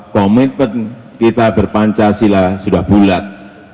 komitmen kita ber pancasila sudah bulat